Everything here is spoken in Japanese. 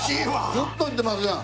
ずっといってますやん。